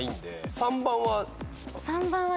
３番は？